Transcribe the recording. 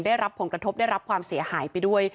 ได้รับผลกระทบได้รับความเสียหายไปด้วย